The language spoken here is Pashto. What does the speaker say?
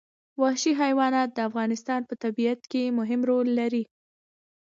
وحشي حیوانات د افغانستان په طبیعت کې مهم رول لري.